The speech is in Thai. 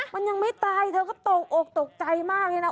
มันยังไม่ตายเธอก็ตกอกตกใจมากเลยนะ